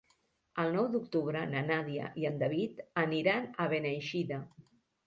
El nou d'octubre na Nàdia i en David aniran a Beneixida.